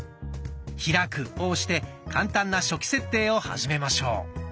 「開く」を押して簡単な初期設定を始めましょう。